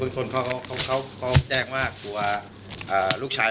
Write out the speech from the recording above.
อูดวะหนึ่งที่หมานาคมขอบคุณครับ